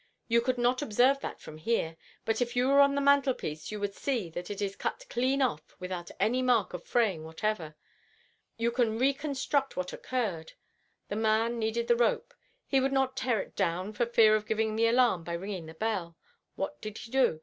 You could not observe that from here, but if you were on the mantelpiece you would see that it is cut clean off without any mark of fraying whatever. You can reconstruct what occurred. The man needed the rope. He would not tear it down for fear of giving the alarm by ringing the bell. What did he do?